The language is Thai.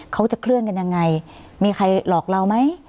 เขาจะเคลื่อนกันยังไงมีใครหลอกเราไหม